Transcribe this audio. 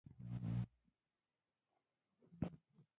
پسه يې لاس لاس کړ.